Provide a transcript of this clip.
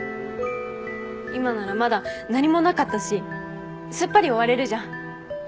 今ならまだ何もなかったしすっぱり終われるじゃん。